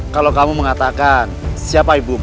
kalau kamu mengatakan siapa ibu